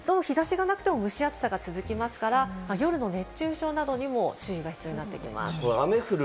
特に雨も降るんですけど日差しがなくても蒸し暑さが続きますから、夜の熱中症などにも注意が必要になってきます。